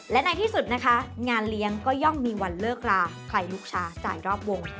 และในที่สุดนะคะงานเลี้ยงก็ย่อมมีวันเลิกลาใครลุกช้าจ่ายรอบวง